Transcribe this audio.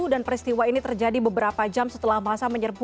dan peristiwa ini terjadi beberapa jam setelah masa menyerbu